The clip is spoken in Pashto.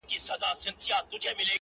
o ته حرکت وکه، زه به برکت وکم.